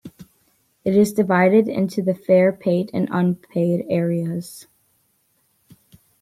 It is divided into the fare-paid and unpaid areas.